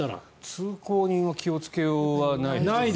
通行人は気をつけようがないですよね。